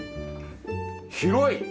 広い！